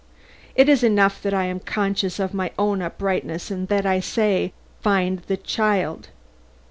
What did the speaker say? It is enough that I am conscious of my own uprightness and that I say, Find the child!